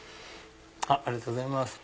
ありがとうございます。